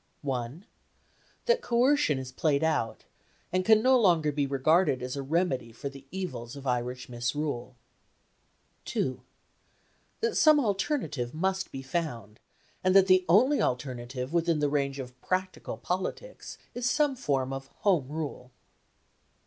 1. That coercion is played out, and can no longer be regarded as a remedy for the evils of Irish misrule. 2. That some alternative must be found, and that the only alternative within the range of practical politics is some form of Home Rule.